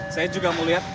saya juga mau lihat